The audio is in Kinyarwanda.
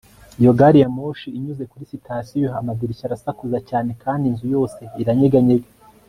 Iyo gari ya moshi inyuze kuri sitasiyo amadirishya arasakuza cyane kandi inzu yose iranyeganyega